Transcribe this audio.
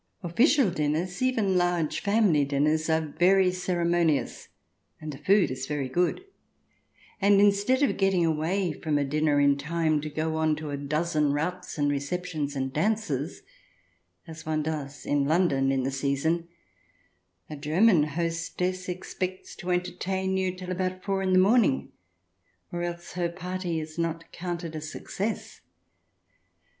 Official dinners, even large family dinners, are very ceremonious. And the food is very good. And instead of getting away from a dinner in time to go on to about a dozen routs and receptions and dances, as one does in London in the season, a German hostess expects to entertain you till about four in the morning or else her party is not counted a success.